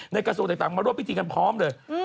กระทรวงต่างมาร่วมพิธีกันพร้อมเลย